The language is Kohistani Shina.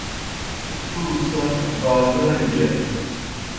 تُوْ گہ سہ بازرَڑ گیئت۔